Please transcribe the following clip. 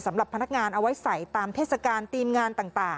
สำหรับพนักงานเอาไว้ใส่ตามเทศกาลทีมงานต่าง